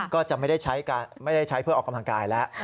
ก็จะไม่ได้ใช้เพื่อออกกำลังกายแล้ว